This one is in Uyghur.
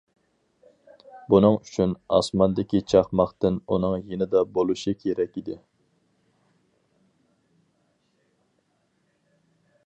بۇنىڭ ئۈچۈن ئاسماندىكى چاقماقتىن ئۇنىڭ يېنىدا بولۇشى كېرەك ئىدى.